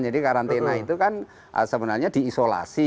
jadi karantina itu kan sebenarnya diisolasi